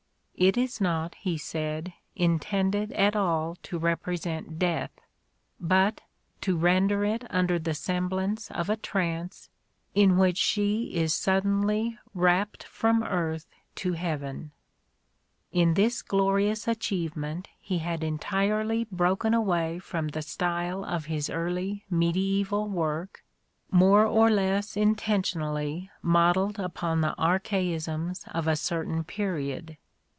It is not," he said, "intended at all to represent death, but to render it under the semblance of a trance in which she is suddenly rapt from earth to heaven," In this glorious achievement he had entirely broken away from the style of his early mediaeval work — more or less inten tionally modelled upon the archaisms of a certain period.